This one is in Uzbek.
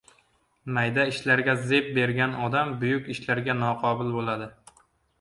Mayda ishlarga zeb bergan odam buyuk ishlarga noqobil bo‘ladi.